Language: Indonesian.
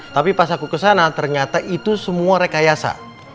tapi pas aku kesana ternyata itu semua rekayasa